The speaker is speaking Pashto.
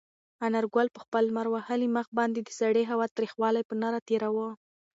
انارګل په خپل لمر وهلي مخ باندې د سړې هوا تریخوالی په نره تېراوه.